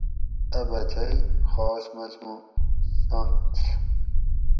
اۤ بچئ خاص مضموُن (سایٔنس